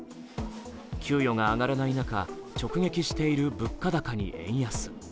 給与が上がらない中、直撃している物価高に円安。